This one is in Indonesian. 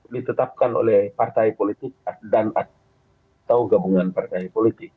ditetapkan oleh partai politik dan atau gabungan partai politik